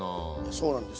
そうなんですよ。